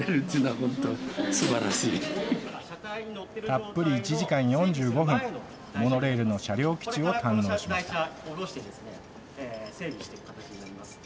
たっぷり１時間４５分、モノレールの車両基地を堪能しました。